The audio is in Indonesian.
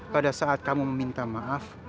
pada saat kamu meminta maaf